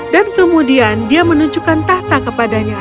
dan kemudian dia menunjukkan tahta kepadanya